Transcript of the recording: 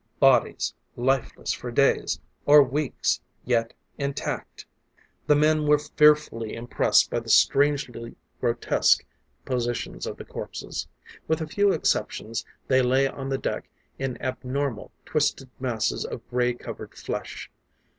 Bodies, lifeless for days, or weeks yet intact! The men were fearfully impressed by the strangely grotesque positions of the corpses. With a few exceptions, they lay on the deck in abnormal, twisted masses of gray covered flesh.